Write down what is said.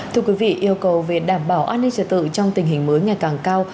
thưa quý vị yêu cầu về đảm bảo an ninh trật tự trong tình hình mới ngày càng cao